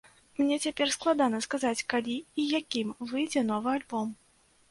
Мне цяпер складана сказаць, калі і якім выйдзе новы альбом.